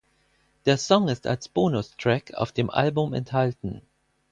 Der Song ist als Bonustrack auf dem Album enthalten.